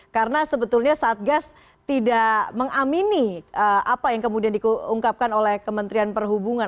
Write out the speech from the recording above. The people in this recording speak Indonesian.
karena sebetulnya satgas tidak mengamini apa yang kemudian diungkapkan oleh kementerian perhubungan